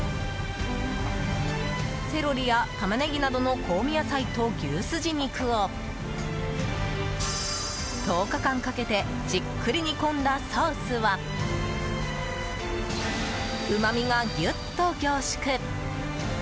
セロリやタマネギなどの香味野菜と牛すじ肉を１０日間かけてじっくり煮込んだソースはうまみがギュッと凝縮。